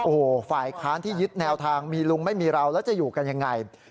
โอ้โหฝ่ายค้านที่ยึดแนวทางมีลุงไม่มีเราแล้วจะอยู่กันยังไง